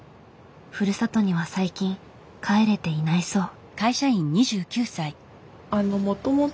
ふるさとには最近帰れていないそう。